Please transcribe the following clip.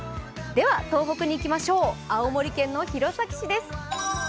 東北に行きましょう青森県の弘前市です。